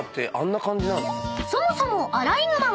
［そもそもアライグマは］